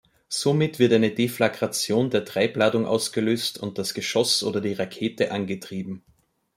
Somit wird eine Deflagration der Treibladung ausgelöst und das Geschoss oder die Rakete angetrieben.